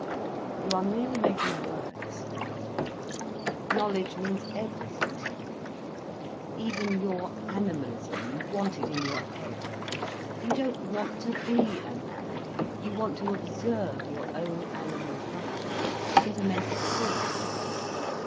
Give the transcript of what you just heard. "You are merely making words," he said; "knowledge means everything to you. Even your animalism, you want it in your head. You don't want to be an animal, you want to observe your own animal functions, to get a mental thrill out of them.